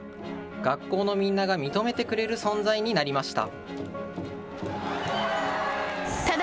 学校のみんなが認めてくれる存在になりました。